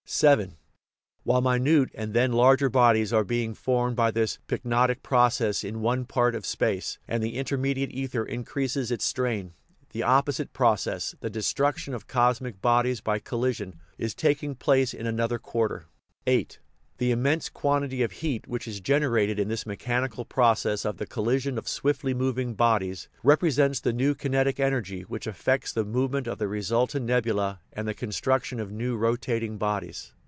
VII. While minute and then larger bodies are being formed by this pyknotic process in one part of space, and the intermediate ether increases its strain, the op posite process the destruction of cosmic bodies by collision is taking place in another quarter. VIII. The immense quantity of heat which is gen erated in this mechanical process of the collision of swiftly moving bodies represents the new kinetic en ergy which effects the movement of the resultant nebu lae and the construction of new rotating bodies.